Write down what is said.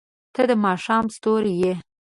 • ته د ماښام ستوری یې.